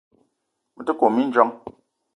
Me te kome mindjong.